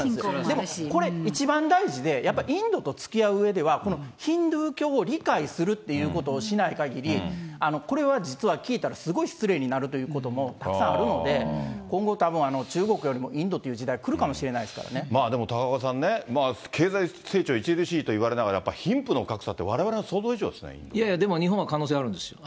でも、これ一番大事で、やっぱインドとつきあううえでは、このヒンズー教を理解するっていうことをしないかぎり、これは実は、聞いたらすごい失礼になるということもたくさんあるので、今後、たぶん中国よりもインドっていう時代、来るかもしれないですから高岡さんね、経済成長著しいといわれながら、やっぱり貧富の格差って、われわいやいやでも、日本は可能性あるんですよ。